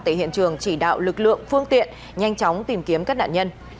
tại hiện trường chỉ đạo lực lượng phương tiện nhanh chóng tìm kiếm các nạn nhân